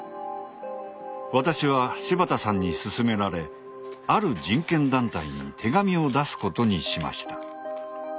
私は柴田さんにすすめられある人権団体に手紙を出すことにしました。